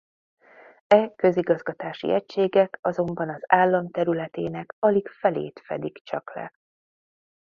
E közigazgatási egységek azonban az állam területének alig felét fedik csak le.